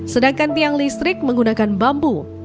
sedangkan tiang listrik menggunakan bambu